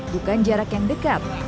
bukan jarak yang dekat